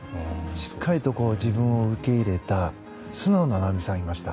しっかりと自分を受け入れた素直な、なおみさんがいました。